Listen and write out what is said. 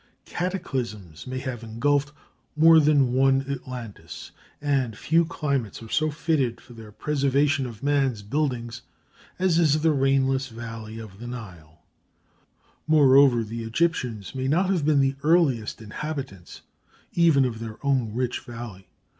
Cataclysms may have engulfed more than one Atlantis; and few climates are so fitted for the preservation of man's buildings as is the rainless valley of the Nile. [Footnote 2: See the Dawn of Civilization, page 1.] Moreover, the Egyptians may not have been the earliest inhabitants even of their own rich valley.